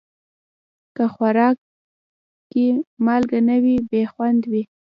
که خوراک کې مالګه نه وي، بې خوند وي.